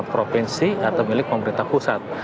ada juga milik provinsi atau milik pemerintah pusat